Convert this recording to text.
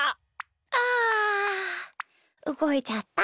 あうごいちゃった。